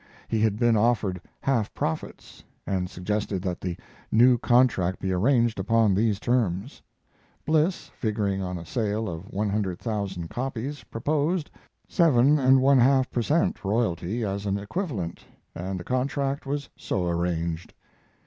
He had been offered half profits, and suggested that the new contract be arranged upon these terms. Bliss, figuring on a sale of 100,000 copies, proposed seven and one half per cent. royalty as an equivalent, and the contract was so arranged.